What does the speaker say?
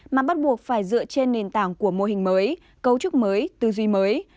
mà bắt buộc phải dựa trên nền tảng của mô hình mới cấu trúc mới tư duy mới